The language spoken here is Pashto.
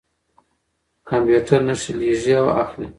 کمپیوټر نښې لېږي او اخلي.